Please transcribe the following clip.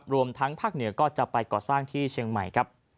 รวมทั้งภาคเหนือก็จะไปก่อสร้างที่เชียงใหม่ครับ